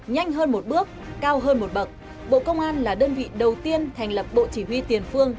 nhanh hơn một bước cao hơn một bậc bộ công an là đơn vị đầu tiên thành lập bộ chỉ huy tiền phương